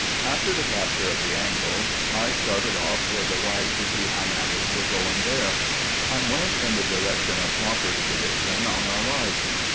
After the capture of the angle I started off toward the right to see how matters were going there. I went in the direction of Crawford's division, on our right.